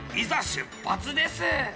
出発です。